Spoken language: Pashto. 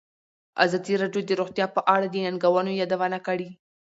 ازادي راډیو د روغتیا په اړه د ننګونو یادونه کړې.